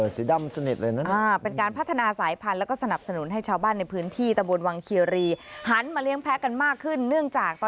สีดำสนิทเลยนะ